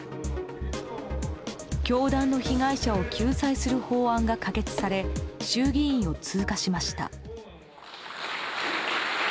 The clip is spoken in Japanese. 教団の被害者を救済する法案が可決され衆議院を通過しました。